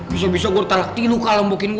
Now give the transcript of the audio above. bisa bisa gue tarik tidur kalau mungkink gue